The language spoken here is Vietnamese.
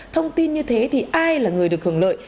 thông tin như thế thì ai là người được hưởng lợi